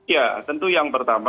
ya tentu yang pertama